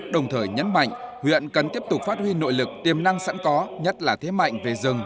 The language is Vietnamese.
đồng thời nhấn mạnh huyện cần tiếp tục phát huy nội lực tiềm năng sẵn có nhất là thế mạnh về rừng